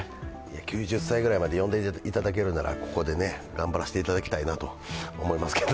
９０歳ぐらいまで呼んでいただけるならここで頑張らせていただきたいと思いますけど。